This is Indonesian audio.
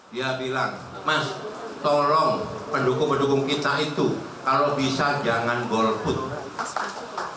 dia bilang mas tolong pendukung pendukung kita itu kalau bisa jangan golput